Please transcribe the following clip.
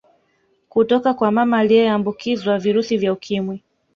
Kutoka kwa mama aliyeambukizwa virusi vya Ukimwi